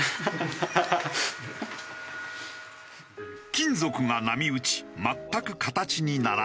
金属が波打ち全く形にならない。